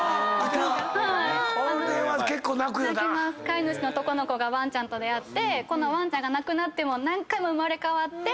飼い主の男の子ワンちゃんと出会ってワンちゃん亡くなって何回も生まれ変わって。